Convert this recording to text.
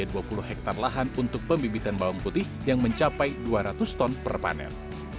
ada dua puluh hektare lahan untuk pembibitan bawang putih yang mencapai dua ratus ton per panen